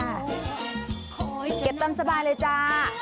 เก็บตามสบายเลยจ้า